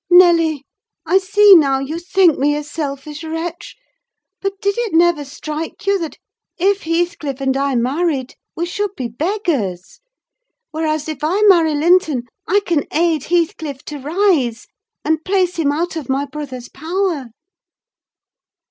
Nelly, I see now you think me a selfish wretch; but did it never strike you that if Heathcliff and I married, we should be beggars? whereas, if I marry Linton I can aid Heathcliff to rise, and place him out of my brother's power."